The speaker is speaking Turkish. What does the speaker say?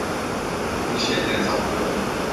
Bir şeyler saklıyor.